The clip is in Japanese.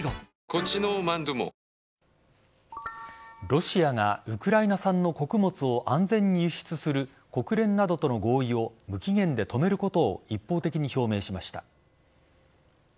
ロシアがウクライナ産の穀物を安全に輸出する国連などとの合意を無期限で止めることを一方的に表明しました。